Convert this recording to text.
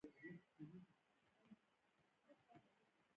خاوره د افغانستان د طبیعي زیرمو برخه ده.